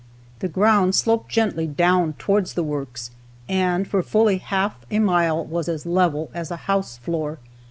The ground sloped gently down towards the works, and for fully half a mile was as level as a house floor.